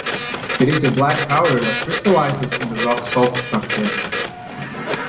It is a black powder that crystallises in the rock salt structure.